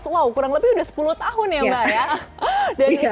wow kurang lebih udah sepuluh tahun ya mbak ya